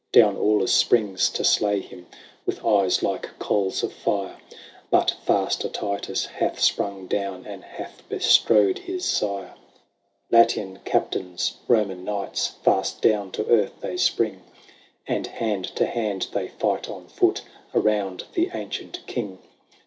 Down Aulus springs to slay him. With eyes like coals of fire ; But faster Titus hath sprung down. And hath bestrode his sire. BATTLE OF THE LAKE REGILLUS. 113 Latian captains, Roman knights, Fast down to earth they spring. And hand to hand they fight on foot Around the ancient king.